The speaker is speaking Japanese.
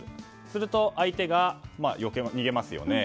すると、相手が逃げますよね。